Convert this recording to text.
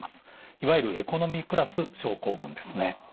いわゆるエコノミークラス症候群ですね。